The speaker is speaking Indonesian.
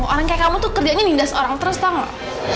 orang kayak kamu tuh kerjanya nindas orang terus tahu